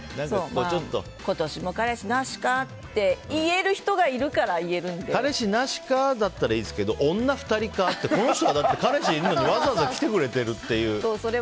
今年も彼氏なしかって言える人が彼氏なしかならいいですけど女２人かってこの人彼氏いるのにわざわざ来てくれてるっていう。